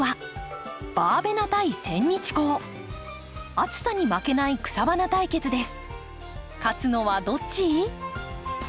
暑さに負けない草花対決です。